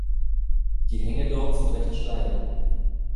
Die Hänge dort sind recht steil.